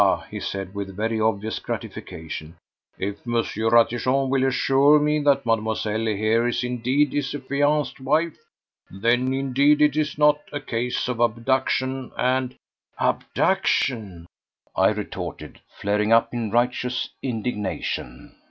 he said, with very obvious gratification. "If Monsieur Ratichon will assure me that Mademoiselle here is indeed his affianced wife, then indeed it is not a case of abduction, and—" "Abduction!" I retorted, flaring up in righteous indignation.